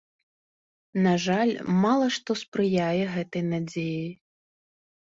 На жаль, мала што спрыяе гэтай надзеі.